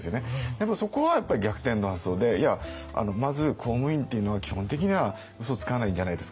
でもそこはやっぱり逆転の発想で「いやまず公務員っていうのは基本的にはうそつかないんじゃないですか？」とか。